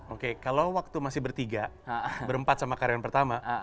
oke kalau waktu masih bertiga berempat sama karyawan pertama